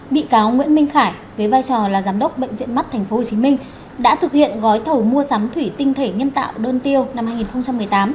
bị cáo nguyễn minh khải với vai trò là giám đốc bệnh viện mắt tp hcm đã thực hiện gói thầu mua sắm thủy tinh thể nhân tạo đơn tiêu năm hai nghìn một mươi tám